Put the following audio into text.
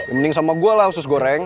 mending sama gue lah usus goreng